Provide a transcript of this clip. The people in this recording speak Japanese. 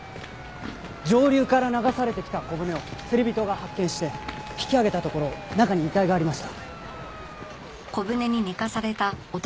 上流から流されてきた小舟を釣り人が発見して引き上げたところ中に遺体がありました。